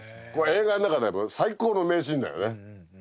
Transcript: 映画の中で最高の名シーンだよね。